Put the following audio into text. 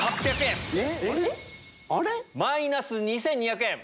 えっ⁉マイナス２２００円。